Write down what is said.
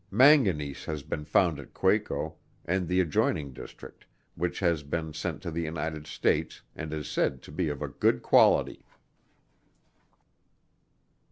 Manganese has been found at Quaco, and the adjoining district, which has been sent to the United States, and is said to be of a good quality.